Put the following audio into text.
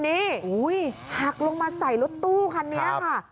นี่หักลงมาใส่รถตู้คันนี้ค่ะ